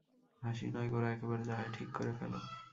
হাসি নয় গোরা, এবারে যা হয় ঠিক করে ফেলো।